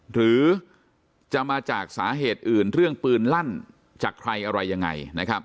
หรือจะมาจากสาเหตุอื่นเรื่องปืนลั่นจากใครอะไรยังไงนะครับ